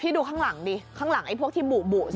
พี่ดูข้างหลังสิข้างหลังไอ้พวกทีหมู่สิ